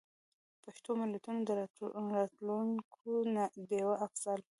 پښتو متلونو: راټولونکې ډيـوه افـضـل.